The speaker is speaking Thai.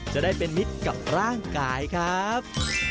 จะได้เป็นมิตรกับร่างกายครับ